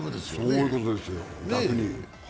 そういうことですよ、逆に。